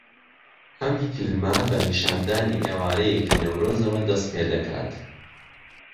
ئەم فیلمە بە نیشاندانی ئێوارەیەکی نەورۆزەوە دەست پێدەکات